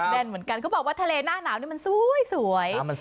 แน่นเหมือนกันเขาบอกว่าทะเลหน้าหนาวนี่มันสวย